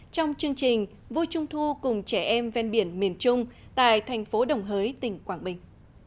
trong chương trình vui trung thu cùng trẻ em ven biển miền trung tại thành phố đồng hới tỉnh quảng bình